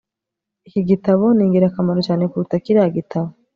Iki gitabo ni ingirakamaro cyane kuruta kiriya gitabo